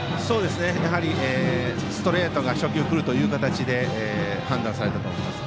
やはりストレートが初球来るという形で判断されたと思います。